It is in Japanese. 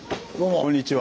こんにちは。